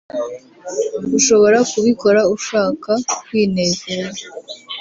ushobora kubikora ushaka kwinezeza